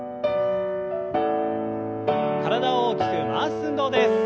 体を大きく回す運動です。